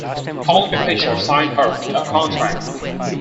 Columbia Pictures signed her to a contract.